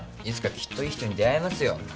いつかきっといい人に出会えますよ。